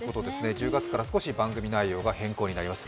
１０月から少し番組内容が変更になります。